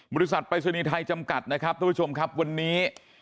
บริษัทปรายศนีย์ไทยจำกัดนะครับทุกผู้ชมครับวันนี้